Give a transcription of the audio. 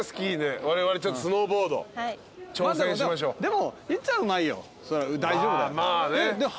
でもひっちゃんうまいよ大丈夫だよ。